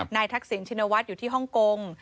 นายทักศิลป์ชินวัตรอยู่ที่ฮ่องกง